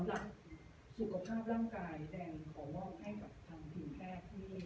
สำหรับสุขภาพร่างกายแดงขอมอบให้กับทางพิมพ์แพทย์ที่นี่